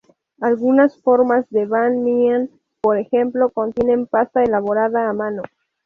Algunas formas de Ban mian, por ejemplo, contienen pasta elaborada a mano.